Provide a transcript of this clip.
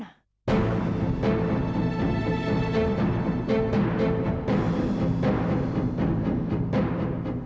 aku mau merebut jody dari nona